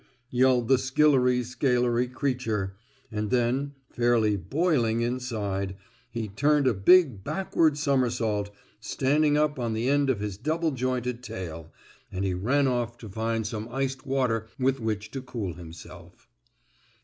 yelled the skillery scalery creature, and then, fairly boiling inside, he turned a big backward somersault, standing up on the end of his double jointed tail, and he ran off to find some iced water with which to cool himself.